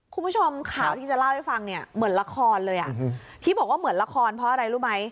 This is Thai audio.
คุณผู้ชมข่าวที่จะเล่าให้ฟังเนี่ยเหมือนละครเลยอ่ะที่บอกว่าเหมือนละครเพราะอะไรรู้ไหม